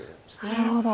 なるほど。